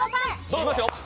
いきますよ